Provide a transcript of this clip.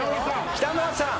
北村さん。